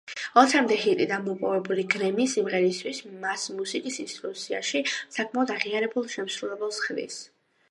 ოცამდე ჰიტი და მოპოვებული გრემი სიმღერისთვის, მას მუსიკის ინდუსტრიაში საკმაოდ აღიარებულ შემსრულებელს ხდის.